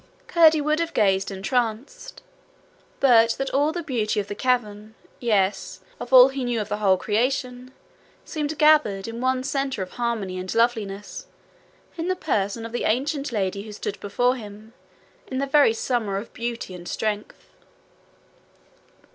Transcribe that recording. Curdie would have gazed entranced, but that all the beauty of the cavern, yes, of all he knew of the whole creation, seemed gathered in one centre of harmony and loveliness in the person of the ancient lady who stood before him in the very summer of beauty and strength.